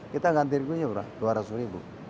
kita ganti untungnya dua ratus ribu